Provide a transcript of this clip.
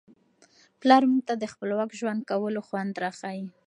پلار موږ ته د خپلواک ژوند کولو خوند را ښيي.